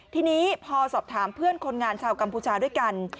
ทีนี้พอสอบถามเพื่อนคนงานชาวกัมพูชาด้วยกัน